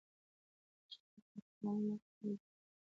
پښتو زده کړیالانو لپاره یو ډاډ دی